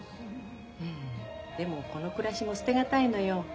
うんでもこの暮らしも捨てがたいのよ。